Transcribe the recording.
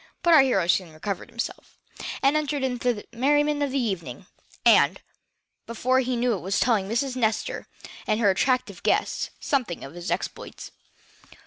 But our hero soon recovered himself, and entered into the merriment of the evening, and, before he knew it he was telling Miss Nestor and her attractive guests something of his exploits.